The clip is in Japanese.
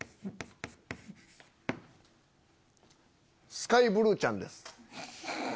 スカイブルーちゃんです。